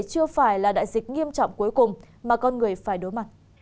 chưa phải là đại dịch nghiêm trọng cuối cùng mà con người phải đối mặt